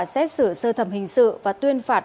xét xử sơ thẩm hình sự và tuyên phạt